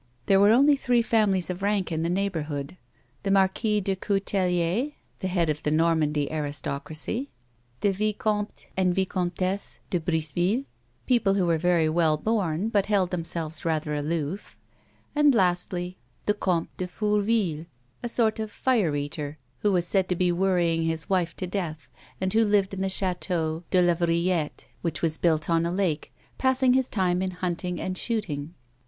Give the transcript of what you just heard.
There were only three families of rank in the neighbour hood ; the Marquis de Coutelier, the head of the Normandy aristocracy ; the Vicomte and Vicomtesse de Briseville, people who were very well born but held themselves rather aloof ; and lastly, the Comte de Fourville, a sort of fire eater who was said to be worrying his wife to death, and who lived in the Chateau de la Vrillette, which was built on a lake, passing his time in hunting and shooting.